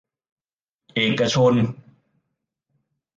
เอกชน